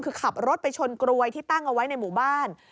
คือขับรถไปชนกรวยที่ตั้งเอาไว้ในหมู่บ้าน